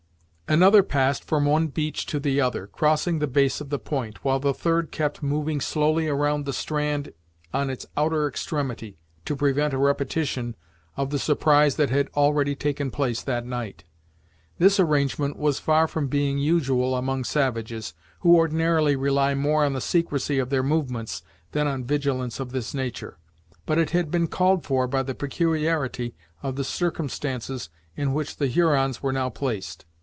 Another passed from one beach to the other, crossing the base of the point, while the third kept moving slowly around the strand on its outer extremity, to prevent a repetition of the surprise that had already taken place that night. This arrangement was far from being usual among savages, who ordinarily rely more on the secrecy of their movements, than on vigilance of this nature; but it had been called for by the peculiarity of the circumstances in which the Hurons were now placed.